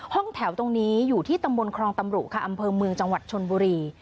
ห้องแถวตรงนี้อยู่ที่ตำบลครองตำรุค่ะอำเภอเมืองจังหวัดชนบุรี